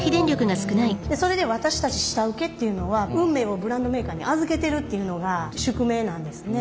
それで私たち下請けっていうのは運命をブランドメーカーに預けてるっていうのが宿命なんですね。